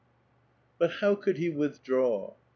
XJT how could he withdraw?